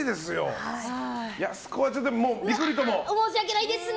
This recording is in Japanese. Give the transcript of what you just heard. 申し訳ないですね。